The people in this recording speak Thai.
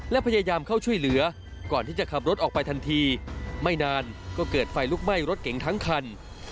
และพยายามเข้าช่วยเหลือก่อนที่จะขับรถออกไปทันทีไม่นานก็เกิดไฟลุกไหม้รถเก๋งทั้งคัน